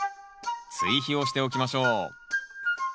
追肥をしておきましょう。